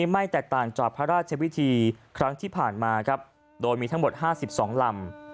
ไม่แตกต่างจากพระราชวิธีครั้งที่ผ่านมาครับโดยมีทั้งหมด๕๒ลำ